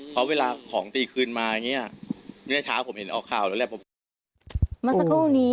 เพราะเวลาของตีกคืนมาอย่างนี้